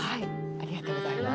ありがとうございます。